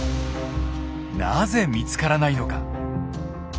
なぜ見つからないのか。